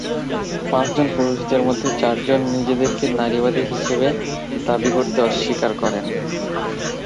পাঁচ জন পুরুষের মধ্যে চারজন নিজেদেরকে নারীবাদী হিসেবে দাবী করতে অস্বীকার করেন।